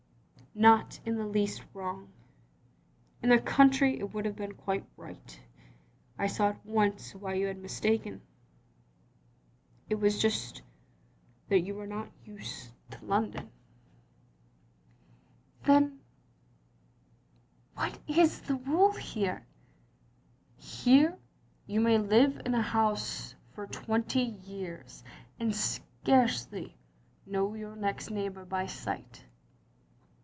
"Not in the least wrong. In the cotintry it would have been quite right. I saw at once why you had mistaken. It was just that you were not used to London." 124 THE LONELY LADY "Then what is the rule here?" " Here you may live in a house for twenty years, and scarcely know yoiu: next door neighbour by sight."